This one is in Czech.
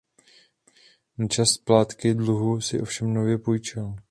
Na část splátky dluhu si ovšem nově půjčil.